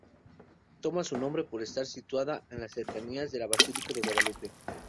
Toma su nombre por estar situada en las cercanías de la Basílica de Guadalupe.